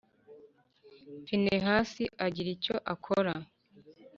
Finehasi agira icyo akora